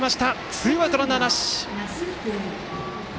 ツーアウトランナーなし。